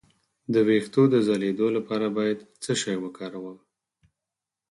د ویښتو د ځلیدو لپاره باید څه شی وکاروم؟